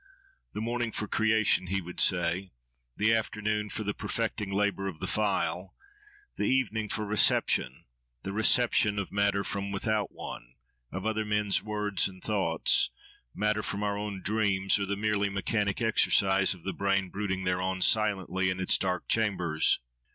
"The morning for creation," he would say; "the afternoon for the perfecting labour of the file; the evening for reception—the reception of matter from without one, of other men's words and thoughts—matter for our own dreams, or the merely mechanic exercise of the brain, brooding thereon silently, in its dark chambers."